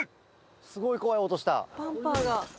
すごい怖い音した。